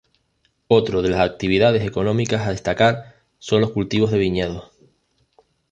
Otro de las actividades económicas a destacar son los cultivos de viñedos.